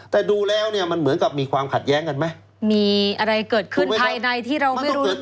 แต่ดูแล้วเนี่ยมันเหมือนกับมีความขัดแย้งกันไหมมีอะไรเกิดขึ้นภายในที่เราไม่รู้